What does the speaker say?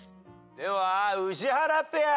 では宇治原ペア。